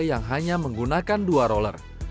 yang hanya menggunakan dua roller